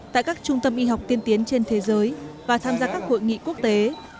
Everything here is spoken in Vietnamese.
tại các trung tâm y học tiên tiến trên thế giới và tham gia các hội nghị quốc tế